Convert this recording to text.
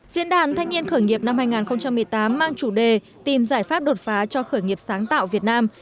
diễn đàn thanh niên khởi nghiệp năm hai nghìn một mươi tám mang chủ đề tìm giải pháp đột phá cho khởi nghiệp sáng tạo việt nam